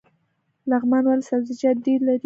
لغمان ولې سبزیجات ډیر لري؟